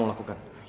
pantes aja kak fanny